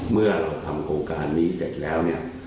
เมื่อเราทำโครงการนี้เสร็จแล้วเนี่ย